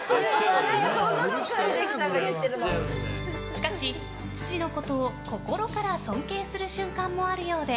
しかし、父のことを心から尊敬する瞬間もあるようで。